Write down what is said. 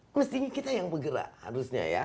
mestinya kita yang bergerak harusnya ya